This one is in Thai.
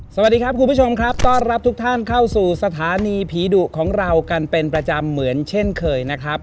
สวัสดีครับคุณผู้ชมครับต้อนรับทุกท่านเข้าสู่สถานีผีดุของเรากันเป็นประจำเหมือนเช่นเคยนะครับ